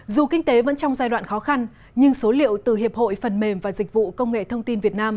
dù kinh tế vẫn trong giai đoạn khó khăn nhưng số liệu từ hiệp hội phần mềm và dịch vụ công nghệ thông tin việt nam